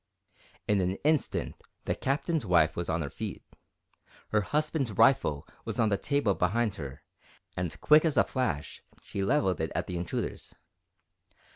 In an instant the Captain's wife was on her feet. Her husband's rifle was on the table behind her, and quick as a flash, she levelled it at the intruders.